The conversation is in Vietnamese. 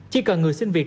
chỉ cần người xin việc